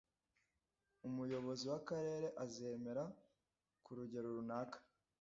Umuyobozi w'akarere azemera ku rugero runaka.